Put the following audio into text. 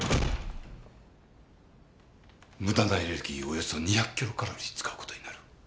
無駄なエネルギーをおよそ２００キロカロリー使う事になる。